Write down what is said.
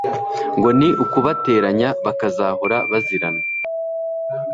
ngo ni ukubateranya bakazahora bazirana